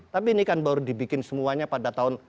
tapi ini kan baru dibikin semuanya pada tahun dua ribu